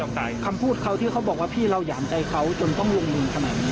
คำพูดเขาที่เขาบอกว่าพี่เราหยามใจเขาจนต้องลงมือขนาดนี้